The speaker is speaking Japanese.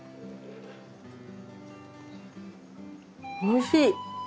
おいしい！